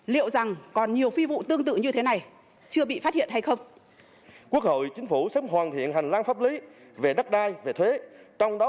liệu rằng còn nhiều phi vụ tương tự như thế này chưa bị phát hiện hay không